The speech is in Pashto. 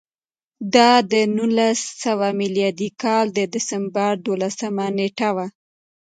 دا د نولس سوه میلادي کال د ډسمبر دولسمه نېټه وه